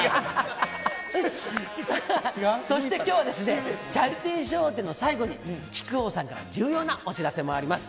さあ、そしてきょうは、チャリティー笑点の最後に、木久扇さんから重要なお知らせもあります。